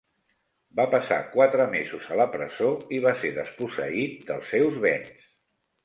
Va passar quatre mesos a la presó i va ser desposseït dels seus béns.